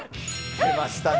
出ましたね。